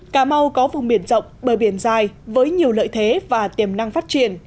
cà mau có vùng biển rộng bờ biển dài với nhiều lợi thế và tiềm năng phát triển